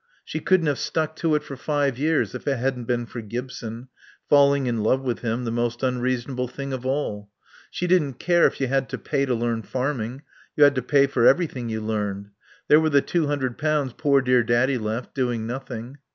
She couldn't have stuck to it for five years if it hadn't been for Gibson falling in love with him, the most unreasonable thing of all. She didn't care if you had to pay to learn farming. You had to pay for everything you learned. There were the two hundred pounds poor dear Daddy left, doing nothing.